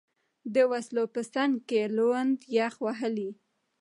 د وسلو په څنګ کې، لوند، یخ وهلی.